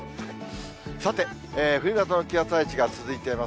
さて、冬型の気圧配置が続いています。